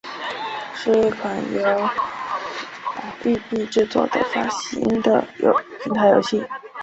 是一款由育碧制作和发行的平台游戏。